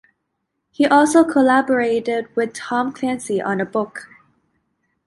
He also collaborated with Tom Clancy on a book.